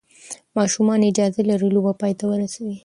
ماشومان اجازه لري لوبه پای ته ورسوي.